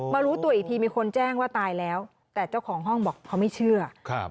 รู้ตัวอีกทีมีคนแจ้งว่าตายแล้วแต่เจ้าของห้องบอกเขาไม่เชื่อ